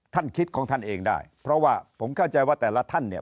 คิดของท่านเองได้เพราะว่าผมเข้าใจว่าแต่ละท่านเนี่ย